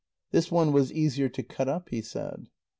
This one was easier to cut up, he said.